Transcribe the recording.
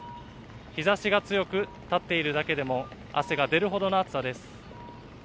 日ざしが強く、立っているだけでも汗が出るほどの暑さです。